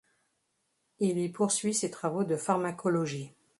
Il y poursuit ses travaux de pharmacologie.